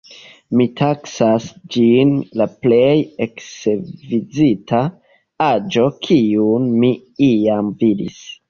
Mi taksas ĝin la plej ekskvizita aĵo kiun mi iam vidis.